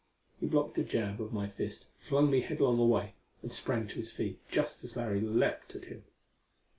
He blocked a jab of my fist, flung me headlong away and sprang to his feet just as Larry leaped at him.